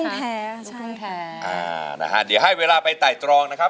นะครับใช่อ่าเดี๋ยวให้เวลาไปไต่ตรองนะครับ